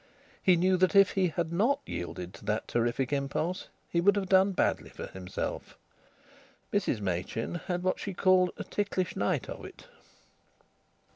He knew that if he had not yielded to that terrific impulse he would have done badly for himself. Mrs Machin had what she called a ticklish night of it.